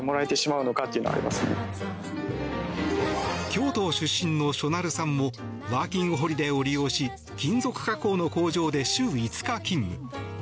京都出身のしょなるさんもワーキングホリデーを利用し金属加工の工場で週５日勤務。